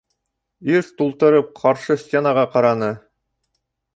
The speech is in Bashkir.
Ир тултырып ҡаршы стенаға ҡараны.